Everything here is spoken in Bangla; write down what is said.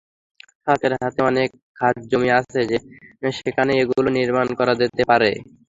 সরকারের হাতে অনেক খাসজমি আছে, সেখানে এগুলো নির্মাণ করা যেতে পারে।